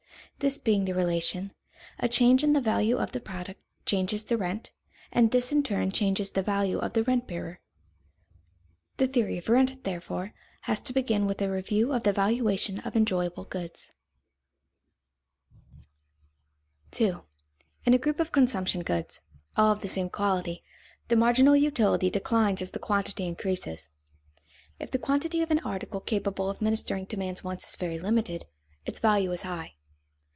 This being the relation, a change in the value of the product changes the rent, and this in turn changes the value of the rent bearer. The theory of rent, therefore, has to begin with a review of the valuation of enjoyable goods. [Sidenote: Effect of scarcity on utility of uniform goods] 2. In a group of consumption goods, all of the same quality, the marginal utility declines as the quantity increases. If the quantity of an article capable of ministering to man's wants is very limited, its value is high.